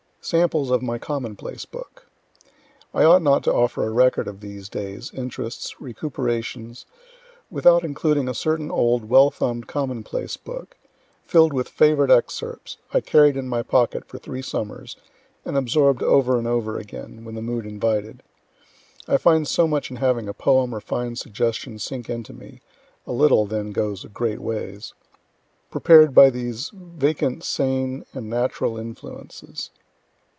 SAMPLES OF MY COMMON PLACE BOOK I ought not to offer a record of these days, interests, recuperations, without including a certain old, well thumb'd common place book, filled with favorite excerpts, I carried in my pocket for three summers, and absorb'd over and over again, when the mood invited. I find so much in having a poem or fine suggestion sink into me (a little then goes a great ways) prepar'd by these vacant sane and natural influences.